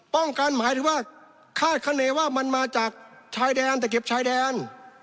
หมายถึงว่าคาดคณีว่ามันมาจากชายแดนแต่เก็บชายแดน